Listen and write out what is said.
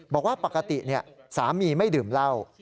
บอกว่าปกติสามีไม่ดื่มเหล้า